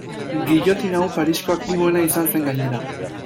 Gillotina hau Parisko aktiboena izan zen gainera.